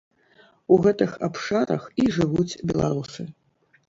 У гэтых абшарах і жывуць беларусы.